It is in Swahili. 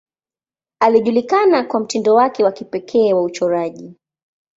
Alijulikana kwa mtindo wake wa kipekee wa uchoraji.